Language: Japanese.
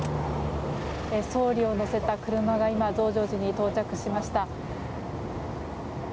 総理を乗せた車が今、増上寺に到着しました。